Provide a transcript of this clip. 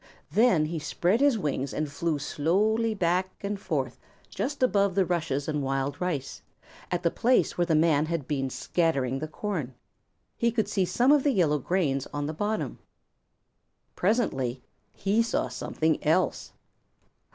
Then he spread his wings and slowly flew back and forth just above the rushes and wild rice, at the place where the man had been scattering the corn. He could see some of the yellow grains on the bottom. Presently he saw something else.